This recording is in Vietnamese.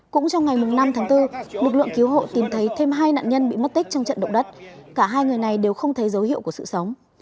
cũng trong ngày năm tháng bốn lực lượng cứu hộ tìm thấy thêm hai nạn nhân bị mất tích trong trận động đất cả hai người này đều không thấy dấu hiệu của sự sống